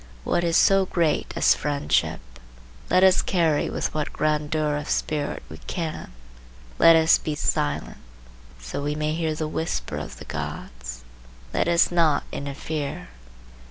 What is so great as friendship, let us carry with what grandeur of spirit we can. Let us be silent,—so we may hear the whisper of the gods. Let us not interfere.